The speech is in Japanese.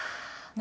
何？